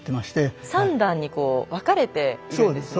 ３段にこう分かれているんですね。